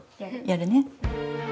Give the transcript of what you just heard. やるね。